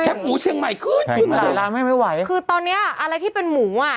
หมูเชียงใหม่ขึ้นกินหลายร้านแม่ไม่ไหวคือตอนเนี้ยอะไรที่เป็นหมูอ่ะ